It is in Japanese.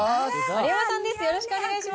丸山さんです。